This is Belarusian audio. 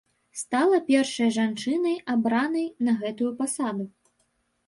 Стала першай жанчынай, абранай на гэтую пасаду.